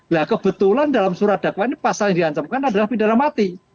nah kebetulan dalam surat dakwaan ini pasal yang diancamkan adalah pidana mati